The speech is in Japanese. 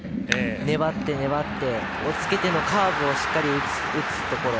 粘って粘って、おっつけてのカーブをしっかり打つところ。